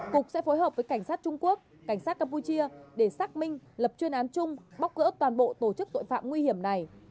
cục sẽ phối hợp với cảnh sát trung quốc cảnh sát campuchia để xác minh lập chuyên án chung bóc gỡ toàn bộ tổ chức tội phạm nguy hiểm này